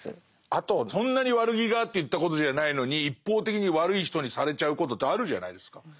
あとそんなに悪気があって言ったことじゃないのに一方的に悪い人にされちゃうことってあるじゃないですか。